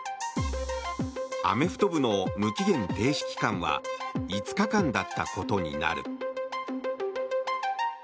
アメフト部の無期限停止期間は５日間だったことになる。